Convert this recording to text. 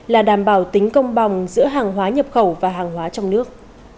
là đảm bảo tính công bằng giữa hàng hóa nhập khẩu và hàng hóa trong nước